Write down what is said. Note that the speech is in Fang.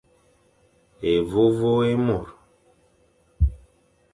Évôvô é môr.